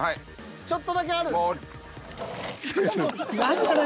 ちょっとだけある。